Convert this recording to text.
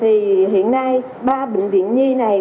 thì hiện nay ba bệnh viện nhi này